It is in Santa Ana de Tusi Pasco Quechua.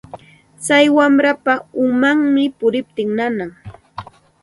Tsay warmapa umanmi puriptin nanan.